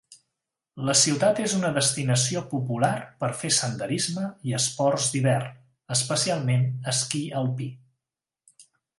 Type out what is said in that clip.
La ciutat és una destinació popular per fer senderisme i esports d'hivern, especialment esquí alpí.